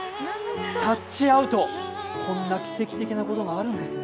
タッチアウト、こんな奇跡的なことがあるんですね。